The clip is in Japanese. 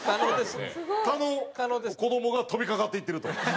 子どもが飛びかかっていってると。